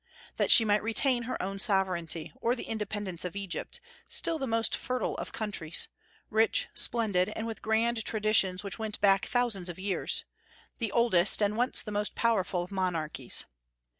That she might retain her own sovereignty, or the independence of Egypt, still the most fertile of countries, rich, splendid, and with grand traditions which went back thousands of years; the oldest, and once the most powerful of monarchies.